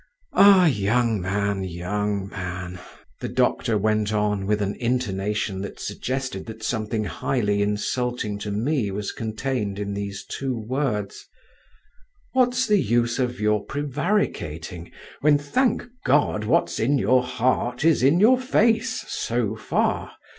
"Ah, young man, young man," the doctor went on with an intonation that suggested that something highly insulting to me was contained in these two words, "what's the use of your prevaricating, when, thank God, what's in your heart is in your face, so far?